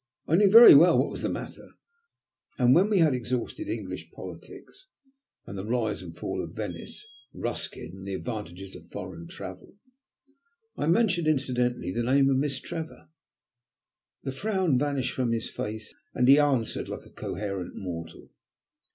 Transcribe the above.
I knew very well what was the matter, and when we had exhausted English politics, the rise and fall of Venice, Ruskin, and the advantages of foreign travel, I mentioned incidentally the name of Miss Trevor. The frown vanished from his face, and he answered like a coherent mortal.